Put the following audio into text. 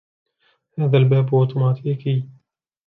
هذا الباب أوتوماتيكي.